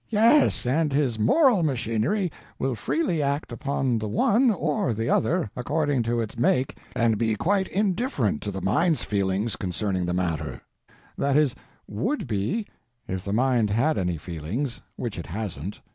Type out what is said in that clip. Yes, and his _moral _machinery will freely act upon the one or the other, according to its make, and be quite indifferent to the _mind's _feeling concerning the matter—that is, _would _be, if the mind had any feelings; which it hasn't.